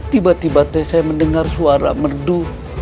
tiba tiba saya mendengar suara merdu